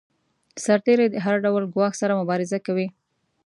سرتیری د هر ډول ګواښ سره مبارزه کوي.